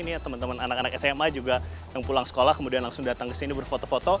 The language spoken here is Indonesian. ini teman teman anak anak sma juga yang pulang sekolah kemudian langsung datang ke sini berfoto foto